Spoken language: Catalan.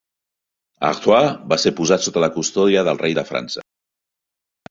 Artois va ser posat sota la custòdia del rei de França.